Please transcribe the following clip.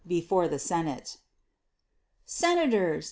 BEFORE THE SENATE. _Senators!